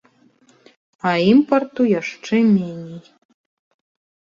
А імпарту яшчэ меней.